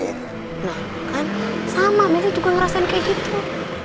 nah kan sama mereka juga ngerasain kayak gitu